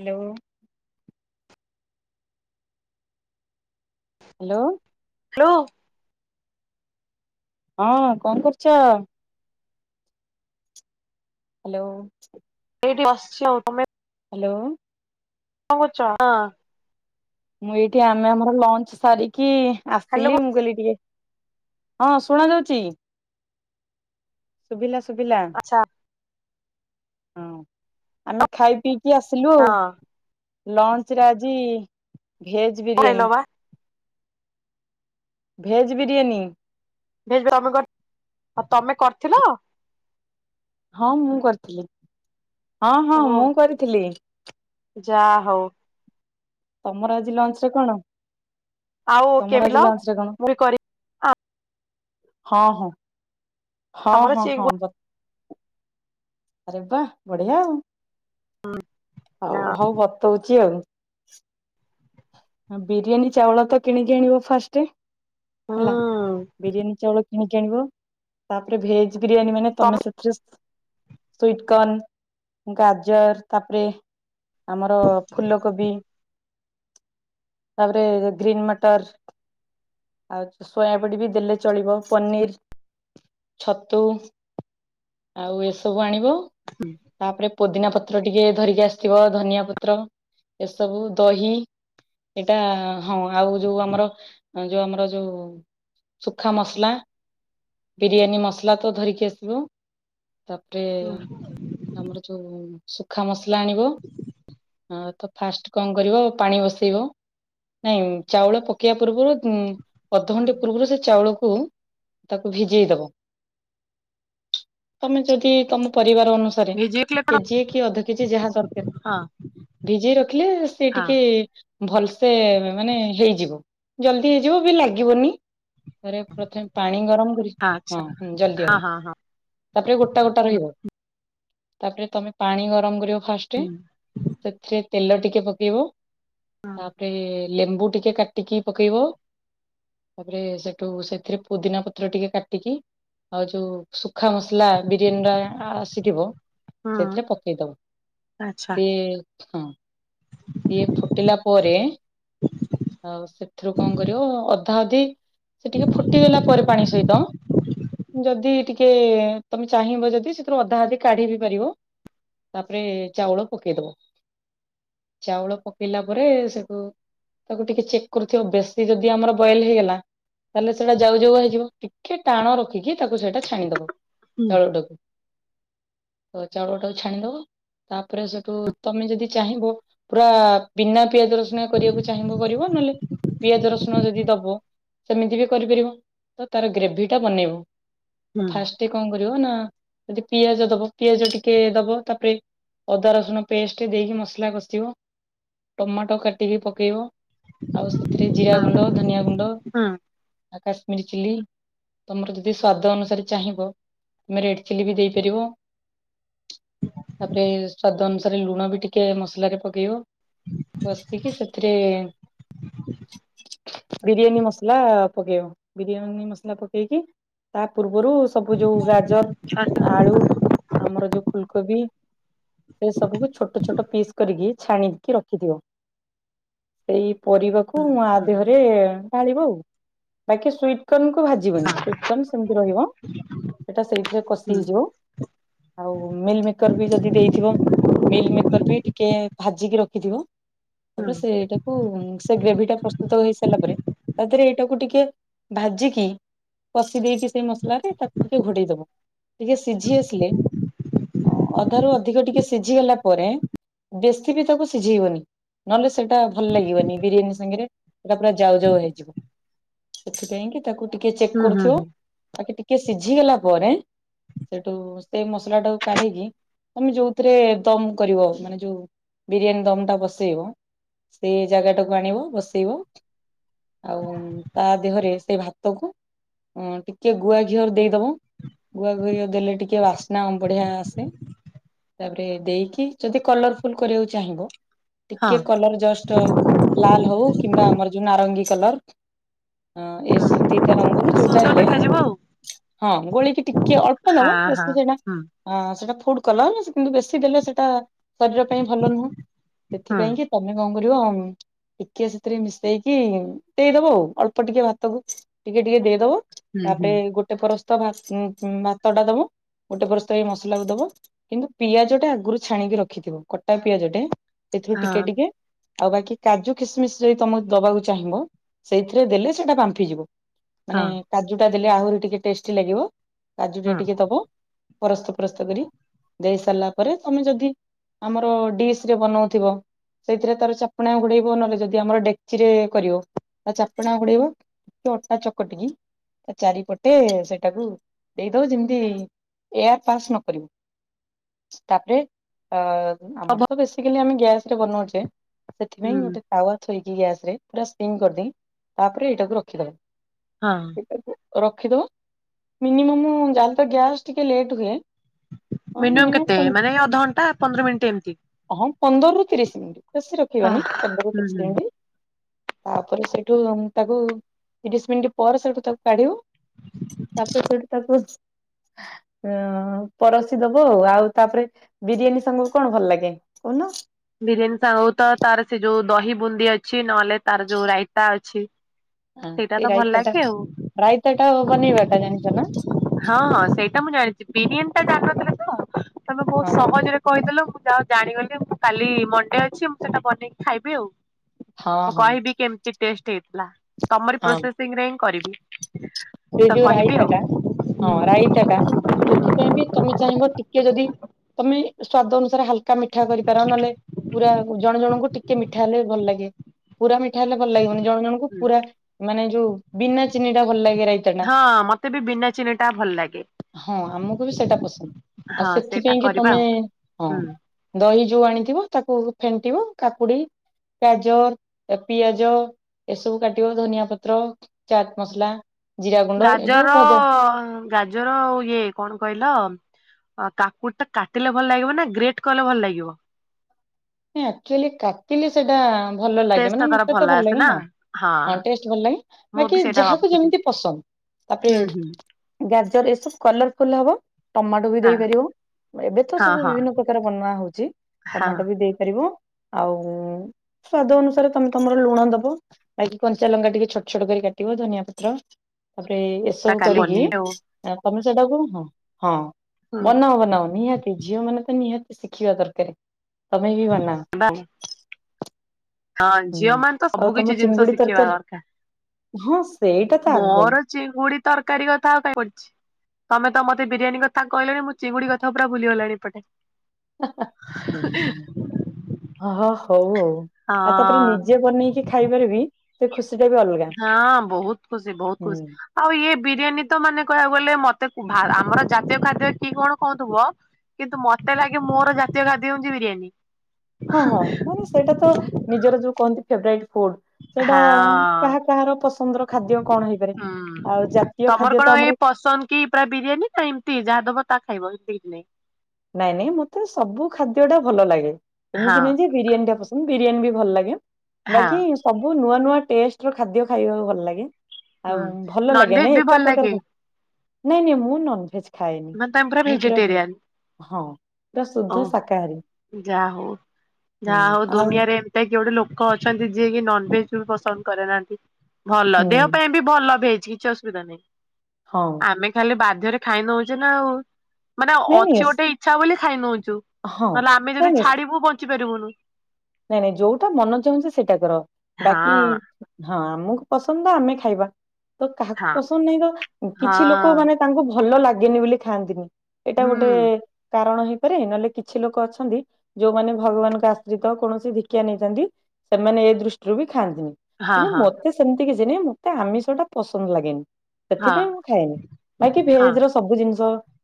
Hello. Hello. Hello. ହଁ, କଣ କରୁଛ? ହାଲୋ। ଏଇଠି ବସିଛି [inaudible] ହାଲୋ। କଣ କରୁଛ? [inaudible] ମୁଁ ଏଇଠି ଆମେ ଆମର ଲଞ୍ଚ ସାରିକି ହ୍ୟାଲୋ ଆସିଥିଲି। ମୁଁ କହିଲି, ଟିକେ ହଁ, ଶୁଣା ଯାଉଛି। ଶୁଭିଲା ଶୁଭିଲା ଆଚ୍ଛା ହଁ। ଆମେ ଖାଇ ପିଇକି ଆସିଲୁ ଆଉ। ହଁ ଲଞ୍ଚରେ ଆଜି ଭେଜ ଖାଇଲ ବିରିୟାନୀ। ବା ଭେଜ ବିରିୟାନୀ। [inaudible] ତମେ କରିଥିଲ? ହଁ, ମୁଁ କରିଥିଲି। ହଁ ହଁ, ମୁଁ କରିଥିଲି। ଯା ହଉ। ତମର ଆଜି ଲଞ୍ଚରେ କଣ? ଆଉ ତମର କେମିଲ ଆଜି ଲଞ୍ଚରେ କଣ? ମୁଁ ବି କରି ଆମର ଚେଙ୍ଗୁ [unintelligible] ଆରେ ବା, ବଢିଆ ଆଉ! ହଉ ହଉ ବତଉଛି ଆଉ। ବିରିୟାନୀ ଚାଉଳ ତ କିଣିକି ଆଣିବ, ଫାଷ୍ଟ ହେଲା। ହୁଁ ବିରିୟାନୀ ଚାଉଳ କିଣିକି ଆଣିବ, ତାପରେ ଭେଜ ବିରିୟାନୀ ମାନେ ତମେ ସେଥିରେ ସୁଇଟକନ୍, ଗାଜର ତାପରେ ଆମର ଫୁଲକୋବି ତାପରେ ଗ୍ରୀନ୍ ମଟର ଆଉ ସୋୟାବଡି ବି ଦେଲେ ଚଳିବ, ପନିର ଛତୁ ଆଉ ଏସବୁ ଆଣିବ, ତାପରେ ପୋଦିନା ପତ୍ର ଟିକେ ଧରିକି ଆସିଥିବ, ଧନିଆ ପତ୍ର ଏସବୁ ଦହି ଏଇଟା ହଁ ଆଉ ଯୋଉ ଆମର ଯୋଉ ଆମର ଯୋଉ ସୁଖା ମସଲା, ବିରିୟାନୀ ମସଲା ତ ଧରିକି ଆସିବ। ତାପରେ ଆମର ଯୋଉଁ ଶୁଖା ମସଲା ଆଣିବ ତା ଫାଷ୍ଟ କଣ କରିବ ପାଣି ବସେଇବ ନାଇଁ ଚାଉଳ ପକେଇବା ପୂର୍ବରୁ ଅଧଘଣ୍ଟେ ପୂର୍ବରୁ ସେ ଚାଉଳକୁ ତାକୁ ଭିଜେଇ ଦବ। ତମେ ଯଦି ତମ ପରିବାର ଅନ ଭିଜି କରେକ୍ଟ, ଯାଇଥିଲେ କଣ କେଜି ଏ କି ଅଧକେଜି ଯାହା ଦରକାର ହଁ ହଁ ଭିଜେଇ ରଖିଲେ ସେ ହଁ ଟିକେ ଭଲସେ ମାନେ ହେଇଯିବ ଜଲଦି ହେଇଯିବ ବି ଲାଗିବନି। ରେ ପ୍ରଥମେ ପାଣି ଗରମ କରି ଆଚ୍ଛା ହଁଁ ଜଲଦି ହଁ ହବ। ହଁ ହଁ ତାପରେ ଗୋଟା ଗୋଟା ହୁଁ ରହିବ। ତାପରେ ତମେ ପାଣି ଗରମ କରିବ ଫାଷ୍ଟରେ ହୁଁ ସେଥିରେ ତେଲ ଟିକେ ପକେଇବ। ତାପରେ ଲେମ୍ବୁ ଟିକେ କାଟିକି ପକେଇବ। ତାପରେ ସେଠୁ ସେଥିରେ ପୋଦିନା ପତ୍ର ଟିକେ କାଟିକି ଆଉ ଯୋଉ ଶୁଖା ମସ ମସଲା ବିରିୟାନୀ ଟା ଆସିଥିବ ହଁ ହୁଁ ସେଥିରେ ପକେଇଦବ ଆଚ୍ଛା ସେ ହଁ। [inaudible] ଇଏ ଫୁଟିଲା ପରେ ଆଉ ସେଥିରୁ କଣ କରିବ ଅଧା ଅଧି ସେ ଟିକେ ଫୁଟିଗଲା ପରେ ପାଣି ସହିତ ଯଦି ଟିକେ ତମେ ଚାହିଁବ ଯଦି ସେଥିରୁ ଅଧା ଅଧି କାଢି ବି ପାରିବ। ତାପରେ ଚାଉଳ ପକେଇ ଦବ ଚାଉଳ ପକେଇଲା ପରେ ସେକୁ ତାକୁ ଟିକେ ଚେକ୍ କରୁଥିବ ବେଶୀ ଯଦି ଆମର ବଏଲ ହେଇଗଲା ତାହେଲେ ସେଇଟା ଯାଉ ଯାଉ ହେଇଯିବ ଟିକେ ଟାଣ ରଖିକି ତାକୁ ସେଇଟା ଛାଣିଦବ। ହୁଁ ଚାଉଳଟାକୁ ତ ଚାଉଲଟାକୁ ଛାଣିଦବ। ତାପରେ ସେଠୁ ତମେ ଯଦି ଚାହିଁବ ପୁରା ବିନା ପିଆଜ ରସୁଣ କରିବାକୁ ଚାହିଁବ କରିବ ନହେଲେ ପିଆଜ ରସୁଣ ଯଦି ଦବ ସେମିତି ବି କରିପାରିବ ତ ତାର ଗ୍ରେଭି ଟା ବନେଇବ ହୁଁ ଫାଷ୍ଟ ଟିକେ କଣ କରିବ ନା ଯଦି ପିଆଜ ଦବ ପିଆଜ ଟିକେ ଦବ ତାପରେ ଅଦା ରସୁଣ ପେଷ୍ଟ ଦେଇକି ମସଲା କଷିବ। ଟମାଟୋ କାଟିକି ପକେଇବ ଆଉ ସେଥିରେ ଜିରା ଗୁଣ୍ଡ ଧନିଆ ଗୁଣ୍ଡ ହୁଁ ଆ କାଶ୍ମିରି ଚିଲ୍ଲି ତମର ଯଦି ସ୍ଵାଦ ଅନୁସାରେ ଚାହିଁବ ତମେ ରେଡ ଚିଲି ବି ଦେଇପାରିବ। ତାପରେ ସ୍ଵାଦ ଅନୁସାରେ ଲୁଣ ବି ଟିକେ ମସଲାରେ ପକେଇବ। ବସିକି ସେଥିରେ ବିରିୟାନୀ ମସଲା ପକେଇବ ବିରିୟାନୀ ମସଲା ପକେଇକି ତା ପୂର୍ବରୁ ସବୁ ଯୋଉ ଆଚ୍ଛା ଗାଜର ଆଳୁ ଆମର ଯୋଉ ଫୁଲକୋବି ସେ ସବୁକୁୁ ଛୋଟ ଛୋଟ ପିସ୍ କରିକି ଛାଣିିକି ରଖ ଥିବ ସେଇ ପରିବାକୁ ମୁଁ ଆ ହୁଁ ଦେହରେ ପାଳିବୁ ଆଉ ବାକି ସୁଟ୍ କନକୁ ଭାଜିବନି ହଁ ସୁଇଟକର୍ଣ୍ଣ ସେମିତି ରହିବ ସେଇଟା ସେଇଥିରେ କଷି ହୁଁ ହେଇଯିବ। ଆଉ ମିଲ୍ ମେକର ବି ଯଦି ଦେଇଥିବ ମିଲ୍ ମେକର ବି ଟିକେ ଭାଜିକି ରଖ। ଖିବ ହୁଁ ତାପରେ ସେଇଟା ସେ ଗ୍ରେଭି ଟା ପ୍ରସ୍ତୁତ ହେଇ ସାରିଲା ପରେ ତା ଦେହରେ ଏଇଟାକୁ ଟିକେ ଭାଜିକି କଷି ଦେଇକି ସେଇ ମସଲାରେ ତାକୁ ଟିକେ ଘୋଡେଇ ଦବ ଟିକେ ସିଝି ଆସିଲେ ଅଧାରୁୁ ଅଧିକ ଟିକେ ସିଝିଗଲା ପରେ ବେଶୀ ବି ତାକୁ ସିଝେଇବନି ନହେଲେ ସେଟା ଭଲ ଲାଗିବନି ବିରିୟାନୀ ସାଙ୍ଗରେ ସେଟା ପୁରା ଯାଉ ଯାଉ ହେଇଯିବ। ସେଥିପାଇଁ କି ତାକୁ ଟିକେ ଚେକ୍ ହୁଁ କରୁଥିବ ହୁଁ ବାକି ଟିକେ ସିଝିଗଲା ପରେ ସେଠୁ ସେଇ ମସଲା ଟାକୁ କାଢିକି ତମେ ଯୋଉଥିରେ ଦମ କରିବ ମାନେ ଯୋଉ ବିରିୟାନୀ ଦମଟା ବସେଇବ ସେଇ ଜାଗାଟାକୁ ଆଣିବ ବସେଇବ ଆଉ ତା ଦେହରେ ସେଇ ଭାତକୁ ହଁ ଟିକେ ଗୁଆ ଘିଅର ଦେଇଦବ। ଗୁଆ ଘିଅ ଦେଲେ ଟିକେ ବାସ୍ନା ବଢିଆ ଆସେ। ତାପରେ ଦେଇକି ଯଦି କଲରଫୁଲ କରିବାକୁ ଚାହିଁବ ହଁ ଟିକେ କଲର ଜଷ୍ଟ ଲାଲ ହଉ କିମ୍ବା ଆମର ଯୋଉ ନାରଙ୍ଗୀ କଲର। ହଁ ଏସବୁ ଦିଟା ରଙ୍ଗରୁ ଯୋଉଟା ସୁନ୍ଦର ହେଲେ ଦେଖାଯିବ ଆଉ ହଁ ଗୋଳେଇକି ଟି କିଏ ଅଳ୍ପ ହଁ ନବ ହଁ ବସ୍ତୁ ସେଟା ହୁଁ ହଁ ସେଟା ଫୁଡ କଲରସେ କିନ୍ତୁ ବେଶୀ ଦେଲେ ସେଟା ଶରୀର ପାଇଁ ଭଲ ନୁହଁ। ହୁଁ ସେଥିପାଇଁ କି ତମେ କଣ କରିବ ଅମ ଟିକେ ସେଥିରେ ମିଶେଇକି ଦେଇଦବ ଆଉ। ଅଳ୍ପ ଟିକେ ଭାତକୁ ଟିକେ ଟିକେ ଦେଇଦବ। ହୁଁ ହୁଁ ତାପରେ ଗୋଟେ ଫରସ୍ତ ଭା ଉଁ ଙ୍କୁ ଙ୍କୁ ଭାତଟା ଦବ। ଗୋଟେ ପରସ୍ତ ଏଇ ମସଲାକୁ ଦବ କିନ୍ତୁ ପିଆଜ ଟା ଆଗରୁ ଛାଣିକି ରଖିଥିବ କ କଟା ପିଆଜ ଟେ ସେଥିରୁ ହଁ ଟିକେ ଟିକେ ଆଉ ବାକି କାଜୁ ଖୀସମିସ ଯଦି ତମେ ଦବାକୁ ଚାହିଁବ ସେଇଥିରେ ଦେଲେ ସେଇଟା ବାମ୍ପିଯିବ। ହଁ ମାନେ କାଜୁଟା ଦେଲେ ଆହୁରି ଟିକେ ଟେଷ୍ଟି ଲାଗିବ, ହଁ କାଜୁଟା ଟିକେ ଦବ। ପରସ୍ତ ପରସ୍ତ କରି। ଦେଇ ସାରିଲା ପରେ ତମେ ଯଦି ଆମର ଡିସରେ ବନଉଥିବ ସେଇଥିରେ ତାର ଚାପଣା ଘୋଡେଇବ। ନହେଲେ ଯଦି ଆମର ଡେକ୍ଚିରେ କରିବ ତା ଚାପଣା ଘୋଡେଇବ। ଟିକେ ଅଟା ଚକଟିକି ଚାରିପଟେ ସେଇଟାକୁ ଦେଇଦବ ଯେମିତି ଏ ଆର୍ ପାସ୍ ନ କରିବ। ତାପରେ ଅ ଆମର ହବ ତ ବେସିକାଲି ଆମେ ଗ୍ୟାସରେ ବନାଉଛେ ହୁଁ ସେଥିପାଇଁ ଗୋଟେ ତାୱା ଥୋଇକି ଗ୍ୟାସରେ ପୁରା ସିମ୍ କରିଦେଇକି, ତାପରେ ଏଇଟାକୁ ରଖିଦବ। ହଁ। ରଖିଦବ ମିନିମମ ଯାହେଲେ ତ ଗ୍ୟାସ୍ ଟିକେ ଲେଟ ହୁଏ। ହଁ ମିନିମମ କେତେ ମିନିମମ୍ ମାନେ ଅଧଘଣ୍ଟା ପନ୍ଦର ମିନିଟ ଏମିତି? ହଁ ପନ୍ଦରରୁ ତିରିଶ ମିନିଟି ବେଶୀ ହ ରଖିବାନି ପନ୍ଦରରୁ ହୁଁ ତିରିଶ ହୁଁ ମିନିଟି। ତାପରେ ସେଇଠୁ ତାକୁ ତିରିଶ ମିନିଟ ପରେ ସେଠୁ ତାକୁ କାଢିବ। ତାପରେ ସେଇଠୁ ତାକୁ ଅ ପରଶୀ ଦବ ଆଉ। ଆଉ ତାପରେ ବିରିୟାନୀ ସାଙ୍ଗକୁ କଣ ଭଲ ଲାଗେ କହୁନ? ବିରିୟାନୀ ସାଙ୍ଗକୁ ତ ତାର ସେ ଯୋଉ ଦହି ବୁନ୍ଦି ଅଛି ନହେଲେ ତାର ଯୋଉ ରାଇତା ଅଛି। ହଁ ସେଇଟା ତ ସେ ଭଲ ରାଇତା ଟା ଲାଗେ ଆଉ ରାଇତା ଟା ବନେଇବାଟା ଜାଣିିଛ ନା? ହଁ ହଁ ସେଇଟା ମୁଁ ଜାଣିଛି ବିରିୟାନୀ ଟା ଜାଣିନଥିଲେ ତ ତମେ ବହୁତ ହଁ ସହଜରେ କହିଦେଲ ମୁଁ ଯାହା ଜାଣିଗଲି ମୁଁ କାଲି ମଣ୍ଡେ ଅଛି ମୁଁ ସେଟା ବନେଇକି ଖାଇବି ଆଉ। ହଁ ମୁଁ ହଁ କହିବି କେମତି ଟଷ୍ଟ ହେଇଥିଲା ତମର ପ୍ରୋସେସ ସିଙ୍ଗରେ ହିଁ କରିବି। ସେଇ ତ ଯୋଉ କହିବି ରାଇତା ଆଉ ଟା ହଁ ହୁଁ ରାଇତା ଟା ସେଥିପାଇଁ ବି ତମେ ଚାହିଁବ ଟିକେ ଯଦି ତମେ ସ୍ଵାଦ ଅନୁସାରେ ହାଲ ମିଠା କରିପାର ନହେଲେ ପୁରା ଜଣେ ଜଣଙ୍କୁ ଟିକେ ମିଠା ହେଲେ ଭଲ ଲାଗେ। ପୁରା ମିଠା ହେଲେ ଭଲ ଲାଗିବନି ଜଣ ଜଣଙ୍କୁ ହୁଁ ପୁରା ମାନେ ଯୋଉ ବିନା ଚିନି ଟା ଭଲ ଲାଗେ ରାଇ ହଁ ମତେ ବି ବିନା ଚିନି ଟା ଭଲ ଲାଗେ ହଁ ଆମକୁ ବି ସେଇଟା ପସନ୍ଦ। ଆଉ ହଁ ସେଇଟା ସେଥିପାଇଁ କି କରିବା ତମେ ଆଉ ହଁ। ହୁଁ। ଦହି ଯୋଉ ଆଣିଥିବ ତାକୁ ଫେଣ୍ଟିବ କାକୁଡି ଗାଜର, ପିଆଜ ଏସବୁ କାଟିବ ଧନିଆ ପତ୍ର, ଚାଟ ମସଲା। ଜିରା ଗୁଣ୍ଡ ଏ ଯୋଉ ଗାଜର ଭଜା ଗାଜର ଆଉ ଇଏ କଣ କହିଲ ଅ କାକୁଡିଟା କାଟିଲେ ଭଲ ଲାଗିବ ନା ଗ୍ରେଟ୍ କଲେ ଭଲ ଲାଗିବ? ନାଇଁ ଆକ୍ଚୁଆଲି କାଟିଲେ ସେଟା ଭଲ ଲାଗେ। ଟେଷ୍ଟ ଟା ମାନେ ତାର ମୋତେ ତ ଭଲ ଆସେ ଲାଗେ ନା ହଁ ହଁ ଟେଷ୍ଟ ଭଲ ଲାଗେ ମୁଁ ବି ବାକି ସେଇଟା ଯାହାକୁ ଭାବୁଥିଲି। ଯେମତି ପସନ୍ଦ। ହୁଁ ହୁଁ ତାପରେ ଗାଜର ଏସବୁ କଲରଫୁଲ ହବ ଟମାଟୋ ବି ହଁ ଦେଇପାରିବ। ଏବେ ତ ହଁ ସବୁ ହଁ ବିଭିନ୍ନ ପ୍ରକାର ବନା ହଉଛି ହଁ ଟମାଟୋ ବି ଦେଇପାରିବ ଆଉ ସ୍ଵାଦ ଅନୁସାରେ ତମେ ତମର ଲୁଣ ଦବ। ବାକି କଞ୍ଚା ଲଙ୍କା ଟିକେ ଛୋଟ ଛୋଟ କରି କାଟିବ ଧନିଆ ପତ୍ର ତାପରେ ତା ଏସବୁ କାଲି କରିକି ବନେଇବି ଆଉ ତମେ ସେଟାକୁ ହଁ ହଁ ହୁଁ। ବନାଅ ବନାଅ ନିହାତି। ଝିଅ ମାନେ ତ ନିହାତି ଶିଖିବା ଦରକାର। ମିଳିବ ନା। [inaudible] ହଁ ଝିଅ ହୁଁ ମାନ ତ ଆଉ ସବୁ ତମ କିଛି ଜିନିଷ ଚିଙ୍ଗୁଡି ଶିଖିବା ତରକାରୀ ଦରକାର। ହଁ ସେଇଟା ତ ଆଗ। ମୋର ଚିଙ୍ଗୁଡି ତରକାରୀ କଥା ଆଉ କାହିଁ ପଡିଛି। ତମେ ତ ମତେ ବିରିୟାନୀ କଥା କହିଲଣି ମୁଁ ଚିଙ୍ଗୁଡି କଥା ପୁର ଭୁଲି ଗଲାଣି ଏପଟେ। ହଁ ହଉ ଆଉ। ଆଉ ତାପରେ ହଁ। ନିଜେ ବନେଇକି ଖାଇବାରେ ବି ସେ ଖୁସିଟା ବି ଅଲଗା। ହଁ ବହୁତ ଖୁସି ବହୁତ ହୁଁ ଖୁସି। ଆଉ ଇଏ ବିରିୟାନୀ ତ ମାନେ କହିବାକୁ ଗଲେ ମୋତେ ଆମର ଜାତୀୟ ଖାଦ୍ୟ କିଏ କଣ କହୁଥିବ। କିନ୍ତୁ ମତେ ଲାଗେ ମୋର ଜାତୀୟ ଖାଦ୍ୟ ହଉଛି ବିରିୟାନୀ। ହଁ ହଁ ମାନେ ସେଇଟା ତ ନିଜର ଯୋଉ କହନ୍ତି ଫେବରାଇଟ୍ ଫୁଡ। ସେଇଟା ହଁ। କାହା କାହାର ପସନ୍ଦର ଖାଦ୍ୟ କଣ ହେଇପାରେ। ଆଉ ହୁଁ ଜାତୀୟ ତମର ଖାଦ୍ୟ କଣ ତ ଏଇ ଆମର ପସନ୍ଦ କି ପୁରା ବିରିୟାନୀ ନା ଏମିତି ଯାହା ଦବ ତାହା ଖାଇବ ଠିକ୍ ନାଇଁ। ନାଇଁ ନାଇଁ ମତେ ସବୁ ଖାଦ୍ୟଟା ଭଲ ଲାଗେ ହଁ ଏମିତି ନାଇଁ ଯେ ବିରିୟାନୀଟା ପସନ୍ଦ ବିରିୟାନୀ ବି ଭଲ ଲାଗେ ହଁ ବାକି ସବୁ ନୂଆ ନୂଆ ଟେଷ୍ଟର ଖାଦ୍ୟ ଖାଇବାକୁ ଭଲ ଲାଗେ, ହୁଁ। ଆଉ ଭଲ ଲାଗେ ନନଭେଜ ନାଇଁ ବି ଭଲ ଏକା ଲାଗେ ପ୍ରକାର। ନାଇଁ ନାଇଁ ମୁଁ ନନଭେଜ୍। ମାନେ ତମେ ପୁରା ଭେଜିଟେରିୟାନ। ହଁ ପୁରା ଓ ଶୁଦ୍ଧ ଶାକାହାରୀ। ଯାହା ହଉ ଯାହା ହୁଁ ହଉ ଆଉ ଦୁନିଆରେ କିଏ ଗୋଟେ ଲୋକ ଅଛନ୍ତି, ଯିଏ କି ନନଭେଜ ବି ପସନ୍ଦ କରେ ନାହାନ୍ତି। ଭଲ ହୁଁ ଦେହ ପାଇଁ ବି ଭଲ ବି ହେଇଛି କିଛି ଅସୁବିଧା ନାହିଁ। ହଁ। ଆମେ ଖାଲି ବାଧ୍ୟରେ ଖାଇ ନଉଛେ ନା ଆଉ, ମାନେ ନାଇଁ ନାଇଁ ଅଛି ଗୋଟେ ଇଚ୍ଛା ବୋଲି ଖାଇ ନଉଛୁ। ହଁ ନହେଲେ ଆମେ ନାଇଁ ଯଦି ନାଇଁ ଛାଡିବୁ ବଞ୍ଚି ପାରିବୁନୁ। ନାଇଁ ନାଇଁ ଯୋଉଟା ମନ ଚାହୁଁଛି ସେଇଟା କର ବାକି ହଁ ହଁ ଆମକୁ ପସନ୍ଦ ତ ଆମେ ଖାଇବା, ତ କାହାକୁ ହଁ ପସନ୍ଦ ନାହିଁ ତ ହଁ କିଛି ଲୋକ ମାନେ। ତାଙ୍କୁ ଭଲ ଲାଗେନି ବୋଲି ଖାଆନ୍ତିନି, ଏଇଟା ହୁଁ ଗୋଟେ। କାରଣ ହେଇପାରେ, ନହେଲେ କିଛି ଲୋକ ଅଛନ୍ତି ଯୋଉମାନେ ଭଗବାନଙ୍କ ଆର୍ଶୀ କୌଣସି ଧିକ୍ୟା ନେଇଥାନ୍ତି ସେମାନେ ଏ ଦୃଷ୍ଟିରୁ ବି ଖାଆନ୍ତିନି ହଁ କିନ୍ତୁ ହଁ ମତେ ସେମତି କିଛି ନାଇ, ମତେ ଆମିଷ ଟା ପସନ୍ଦ ଲାଗେନି। ହଁ ସେଥିପାଇଁ ମୁଁ ଖାଏନି। ବାକି ହଁ ଭେଜ ର ସବୁ ଜିନିଷ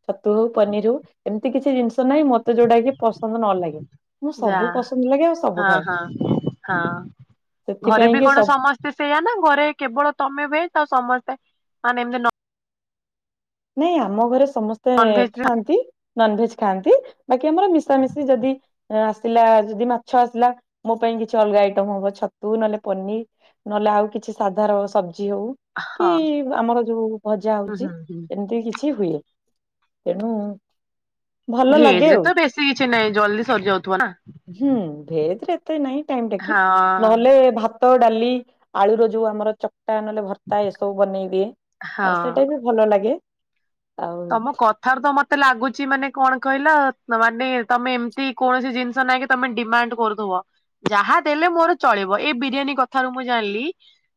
ଛତୁ ହଉ, ପନିର ହଉ ଏମିତି କିଛି ଜିନିଷ ତ ନାହିଁ, ମତେ ଯୋଉଟା କି ପସନ୍ଦ ନ ଲାଗେ ମୁଁ ଯା ସବୁ ପସନ୍ଦ ଲାଗେ ଆଉ ସବୁ ହଁ ଖାଏ। ହଁ ହଁ ସେଥିପାଇଁକି ସବୁ ସେ ସେଇୟା ନା ଘରେ କେବଳ ତମେ ଭେଜ ଆଉ ସମସ୍ତେ ମାନେ ଏମତି ନ ନାଇଁ ଆମ ଘରେ ସମସ୍ତେ ନନଭେଜ ବି ଖାଆନ୍ତି। ନନ୍ ଭେଜ ଖାଆନ୍ତି। ବାକି ଆମର ମିଶାମିଶି ଯଦି ଆସିଲା ଯଦି ମାଛ ଆସିଲା। ମୋ ପାଇଁ କିଛି ଅଲଗା ଆଇଟମ ହବ ଛତୁ ନହେଲେ ପନିର୍। ନହେଲେ ଆଉ କିଛି ସାଧାର ସବଜି ହଉ, କି ହଁ ଆମର ଯୋଉ ଭଜା ହୁଁ ହୁଁ ହଉଚି। ହୁଁ ଏମିତି କିଛି ହୁଏ। ତେଣୁ ଭଲ ଲାଗେ ଭେଜରେ ଆଉ ତ ବେଶୀ କିଛି ନାହିଁ, ଜଲଦି ସରିଯାଉଥିବ ନା? ହୁଁ, ଭେଜ ରେ ଏତେ ନାଇଁ ଟାଇମ ଟେର୍କିଙ୍ଗ। ନହେଲେ ହଁ ଭାତ ଭାତ, ଡାଲି, ଆଳୁର ର ଯୋଉ ଆମର ଚକଟା ନହେଲେ ଭର୍ତା ଏସବୁ ବନେଇ ଦିଏ। ଆ ହଁ ସେଟା ବି ଭଲ ଲାଗେ। ଆଉ ତମ କଥ ଥାରୁ ତ ମତେ ଲାଗୁଚି ମାନେ କଣ କହିଲ, ମାନେ ତମେ ଏମିତି କୌଣସି ଜିନିଷ ନାଇଁ ତମେ ଡିମାଣ୍ଡ କରୁଥିବ। ଯାହା ଦେଲେ ମୋର ଚଳିବ ଏଇ ବିରିୟାନୀ କଥାରୁ ମୁଁ ଜାଣିଲି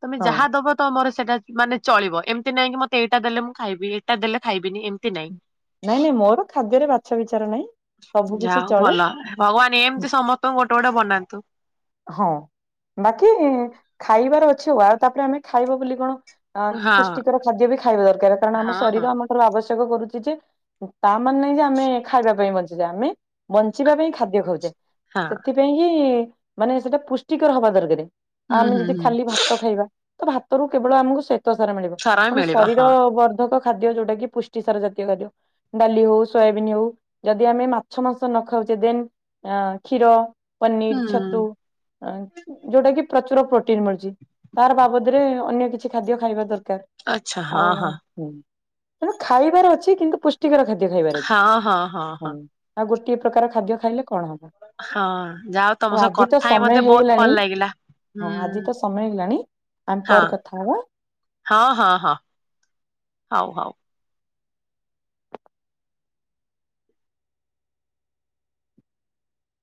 ତମେ ହଁ ଯାହା ଦବ ତମର ସେଇଟା ମାନେ ଚଳିବ। ଏମିତି ନାଇଁ କି ମତେ ଏଇଟା ଦେଲେ ମୁଁ ଖାଇବି ଏଇଟା ଦେ ଖାଇବିନି, ଏମିତି ନାଇଁ। ନାଇଁ, ନାଇଁ, ମୋର ଖାଦ୍ୟରେ ବାଛ ବିଚାର ନାହିଁ। ସବୁ ଯାହା କିଛି ହଉ ଚଳେ ଭଲ। ଭଗବାନ ଏମତି ସମସ୍ତଙ୍କୁ ଗୋଟେ ଗୋଟେ ବନାନ୍ତୁ। ହଁ, ବାକି ଖାଇବାର ଅଛି, ୱାଓ। ତାପରେ ଆମେ ଖାଇବ ବୋଲି କଣ ହଁ, ପୁଷ୍ଟିକର ଖାଦ୍ୟ ବି ଖାଇବା ଦରକାର। କାରଣ ଆମ ହଁ ହଁ ଶରୀର ଆମ ଠାରୁ ଆବଶ୍ୟକ କରୁଛି ଯେ ତା ମାନେ ନାହିଁ ଯେ, ଆମେ ଖାଇବା ପାଇଁ ବଞ୍ଚିଚେ। ଆମେ ବଞ୍ଚିବା ପାଇଁ ଖାଦ୍ୟ ଖାଉଚେ। ହଁ ସେଥିପାଇଁ କିି ମାନେ ସେଟା ପୁଷ୍ଟିକର ହବା ଦରକାର। ହୁଁ ଆଉ ଆମେ ହୁଁ ଯଦି ହୁଁ ଖାଲି ଭା ଭାତ ଖାଇବା ତ ଭାତରୁ କେବଳ ଆମକୁ ଶ୍ଵେତ ସାର ମିଳିବ। ସାରା ପୁଣି ମିଳିବ ଶରୀର ହଁ ବର୍ଦ୍ଧକ ଖାଦ୍ୟ ଯୋଉଟା କି ପୁଷ୍ଟି ସାର ଜାତୀୟ ଖାଦ୍ୟ। ଡାଲି ହଉ, ସୋୟାବିନ୍ ହଉ। ଯଦି ଆମେ ମାଛ, ମାଂସ ନ ଖାଉଛେ ଦେନ୍ ଅ କ୍ଷୀର ପନିର୍, ହୁଁ ଛତୁ, ଯୋଉଟା କି ପ୍ରଚୁର ପ୍ରୋଟିନ୍ ମିଳୁଚି। ତାର ବାବଦରେ ଅନ୍ୟ କିଛି ଖାଦ୍ୟ ଖାଇବା ଦରକାର୍। ଆଚ୍ଛା ହଁ ଆଉ ହଁ ତେଣୁ ଖାଇବାର ଅଛି କିନ୍ତୁ ପୃ ପୁଷ୍ଟକାର ଖାଦ୍ୟ ଖାଇବାର ଅଛି। ହଁ, ଆଉ ଗୋଟିଏ ପ୍ରକାର ଖାଦ୍ୟ ଖାଇଲେ କଣ ହବ? ହଁ, ଯାହା ହଉ ହଉ ତମ ସହ ଆଜି ତ କଥା ହେଇ ସମୟ ମତେ ବହୁତ ହେଇଗଲାଣି। ଭଲ ଲାଗିଲା। ହୁଁ ହଁ ଆଜି ତ ସମୟ ହେଲାଣି ଆମ ହଁ ପରେ କଥା ହବା। ହଁ ହଁ ହଁ, ହଉ ହଉ।